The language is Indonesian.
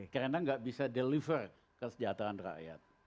karena tidak bisa menghasilkan kesejahteraan rakyat